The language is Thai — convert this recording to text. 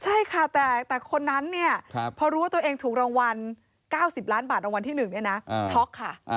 ใช่ค่ะแต่คนนั้นเนี่ยพอรู้ว่าตัวเองถูกรางวัล๙๐ล้านบาทรางวัลที่๑เนี่ยนะช็อกค่ะ